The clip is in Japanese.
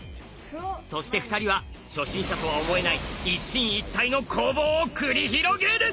そして２人は初心者とは思えない一進一退の攻防を繰り広げる！